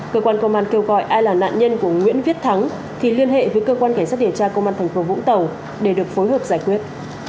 cơ quan công an kêu gọi ai là nạn nhân của nguyễn viết thắng thì liên hệ với cơ quan cảnh sát điều tra công an thành phố vũng tàu để được phối hợp giải quyết